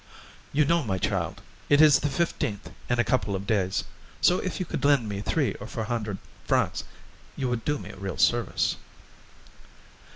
"You know, my child, it is the 15th in a couple of days, so if you could lend me three or four hundred francs, you would do me a real service."